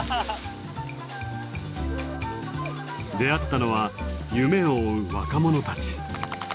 出会ったのは夢を追う若者たち。